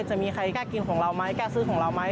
จะมีใครกล้ากินของเราไหมกล้าซื้อของเราไหม